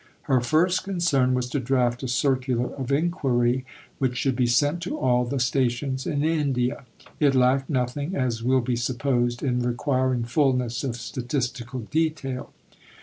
Her first concern was to draft a circular of inquiry which should be sent to all the Stations in India. It lacked nothing, as will be supposed, in requiring fulness of statistical detail.